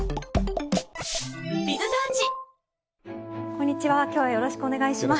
こんにちは今日はよろしくお願いします。